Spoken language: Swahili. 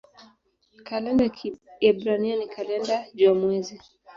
Kalenda ya Kiebrania ni kalenda jua-mwezi.